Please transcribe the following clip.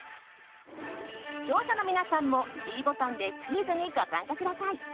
視聴者の皆さんも、ｄボタンでクイズにご参加ください。